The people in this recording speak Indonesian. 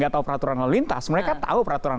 nggak tahu peraturan lalu lintas mereka tahu peraturan